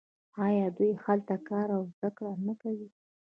آیا دوی هلته کار او زده کړه نه کوي؟